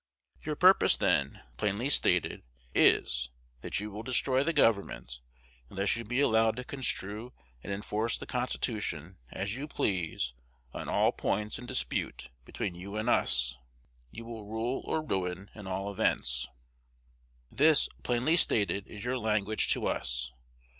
Your purpose then, plainly stated, is, that you will destroy the government, unless you be allowed to construe and enforce the Constitution as you please on all points in dispute between you and us. You will rule or ruin in all events. This, plainly stated, is your language to us.